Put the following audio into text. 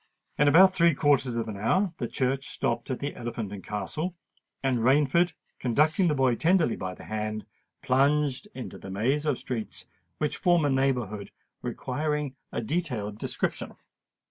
In about three quarters of an hour the coach stopped at the Elephant and Castle; and Rainford, conducting the boy tenderly by the hand, plunged into the maze of streets which form a neighbourhood requiring a detailed description.